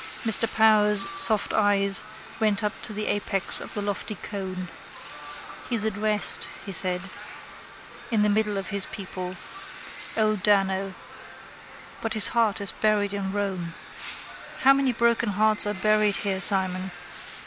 Mr Power's soft eyes went up to the apex of the lofty cone. —He's at rest, he said, in the middle of his people, old Dan O'. But his heart is buried in Rome. How many broken hearts are buried here, Simon!